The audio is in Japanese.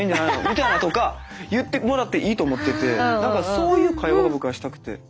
みたいなとか言ってもらっていいと思っててだからそういう会話が僕はしたくて。